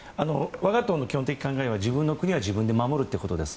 我が党の基本的考えは自分の国は自分で守るということです。